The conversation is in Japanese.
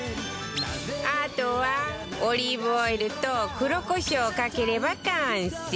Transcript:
あとはオリーブオイルと黒コショウをかければ完成